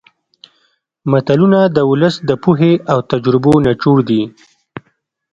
متلونه د ولس د پوهې او تجربو نچوړ دي